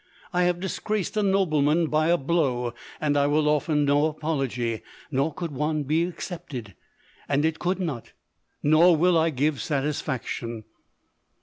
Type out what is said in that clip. I have disgraced a nobleman by a blow, and I will offer no apology, could one be accepted — and it could not ; nor will I give satisfaction.